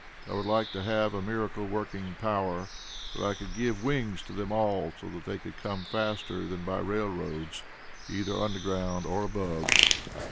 I would like to have a miracle working power, that I could give wings to them all so that they could come faster than by Railroads either underground or above.